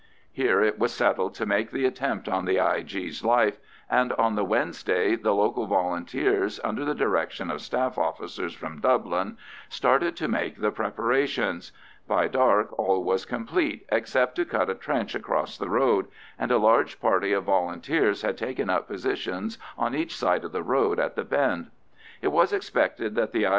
Here it was settled to make the attempt on the I.G.'s life, and on the Wednesday the local Volunteers, under the direction of staff officers from Dublin, started to make the preparations. By dark all was complete, except to cut a trench across the road, and a large party of Volunteers had taken up positions on each side of the road at the bend. It was expected that the I.G.